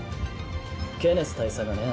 ケネス大佐がね